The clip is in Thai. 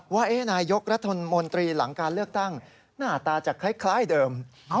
ว่านายกรัฐมนตรีหลังการเลือกตั้งหน้าตาจะคล้ายเดิม